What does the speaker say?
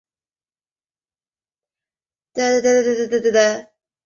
古赖亚特是阿曼马斯喀特附近的渔村。